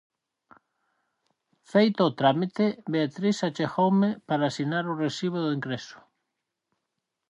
Feito o trámite, Beatriz achegoume para asinar o recibo do ingreso.